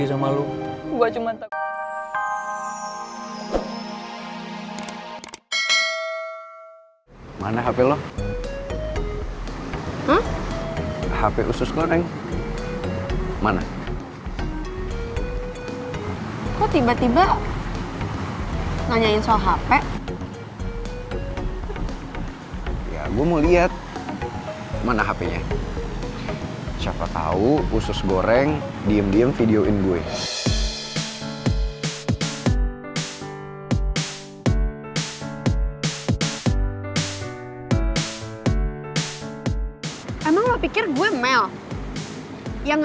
sampai jumpa di video selanjutnya